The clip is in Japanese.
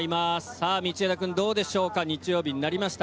さあ、道枝君、どうでしょうか、日曜日になりました。